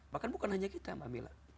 bahkan bukan hanya kita mbak mila